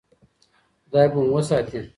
خدای به مو وساتي.